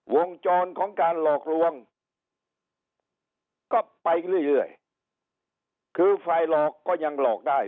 วงจรของการหลอกลวงก็ไปเรื่อยเรื่อยคือฝ่ายหลอกก็ยังหลอกได้